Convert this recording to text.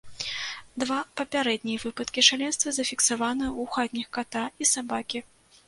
Два папярэднія выпадкі шаленства зафіксаваныя ў хатніх ката і сабакі.